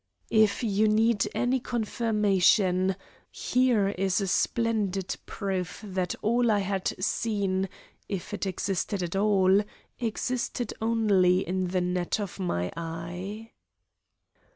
If you need any confirmation, here is a splendid proof that all I had seen, if it existed at all, existed only in the net of my eye.